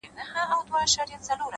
هره ورځ د نوې تجربې دروازه ده.